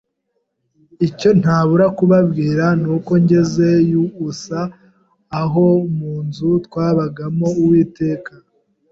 Icyo ntabura kubabwira nuko ngeze USA aho mu nzu twabagamo Uwiteka